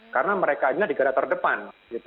karena mereka hanya di gerak terdepan